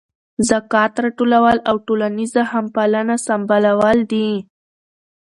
ذکات راټولول او ټولنیزه همپالنه سمبالول دي.